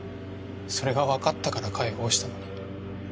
それがわかったから解放したのに。